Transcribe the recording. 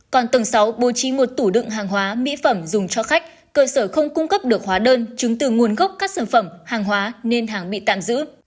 còn tầng sáu bố trí một tủ đựng hàng hóa mỹ phẩm dùng cho khách cơ sở không cung cấp được hóa đơn chứng từ nguồn gốc các sản phẩm hàng hóa nên hàng bị tạm giữ